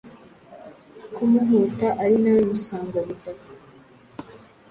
ku Muhutu ari nawe musangwa butaka,